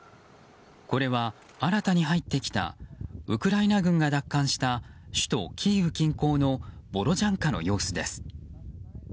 これは、新たに入ってきたウクライナ軍が奪還した首都キーウ近郊のボロジャンカの様子です。